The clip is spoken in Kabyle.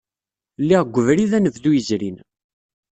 Lliɣ deg ubrid anebdu yezrin.